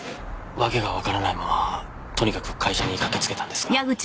わけがわからないままとにかく会社に駆けつけたんですが。